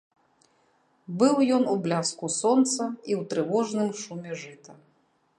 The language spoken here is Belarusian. Быў ён у бляску сонца і ў трывожным шуме жыта.